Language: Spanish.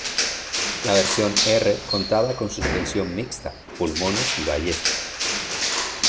La versión "R" contaba con suspensión "Mixta": Pulmones y Ballesta.